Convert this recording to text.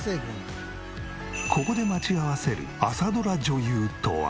ここで待ち合わせる朝ドラ女優とは？